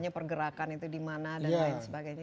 pergerakan itu dimana dan lain sebagainya